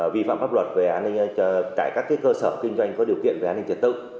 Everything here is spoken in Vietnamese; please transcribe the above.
về an ninh trật tự